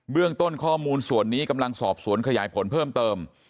เรื่องต้นข้อมูลส่วนนี้กำลังสอบสวนขยายผลเพิ่มเติม